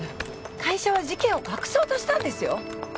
会社は事件を隠そうとしたんですよ！